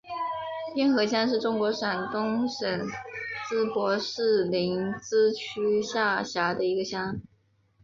边河乡是中国山东省淄博市临淄区下辖的一个乡。